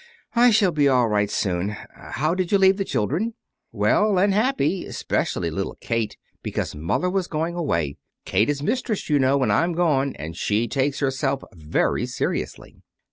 "I shall be all right soon. How did you leave the children?" "Well, and happy 'specially little Kate, because mother was going away. Kate is mistress, you know, when I'm gone, and she takes herself very seriously."